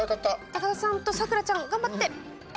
高田さんと咲楽ちゃん頑張って。